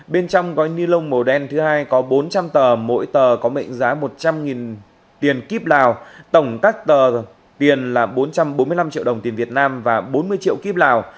bên trong gói ni lông màu đen thứ hai có bốn trăm linh tờ mỗi tờ có mệnh giá một trăm linh tiền kíp lào tổng các tờ tiền là bốn trăm bốn mươi năm triệu đồng tiền việt nam và bốn mươi triệu kíp lào